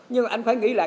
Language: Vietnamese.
nhưng anh phải nghĩ lại